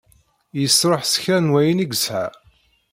Yesṛuḥ s kra n wayen i yesɛa.